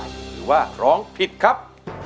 หรือว่าร้องผิดครับ